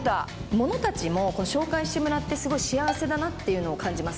物たちも紹介してもらってすごい幸せだなっていうのを感じます。